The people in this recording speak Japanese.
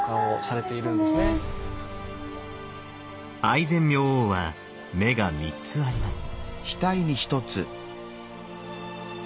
愛染明王は目が３つあります。